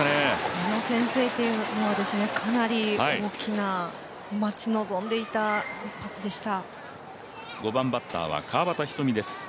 この先制点はかなり大きな待ち望んでいた一発でした。